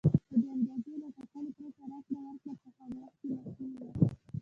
خو د اندازې له ټاکلو پرته راکړه ورکړه په هغه وخت کې ناشونې وه.